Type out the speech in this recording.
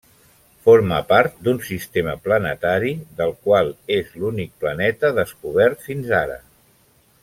Forma part d'un sistema planetari, del qual és l'únic planeta descobert fins ara.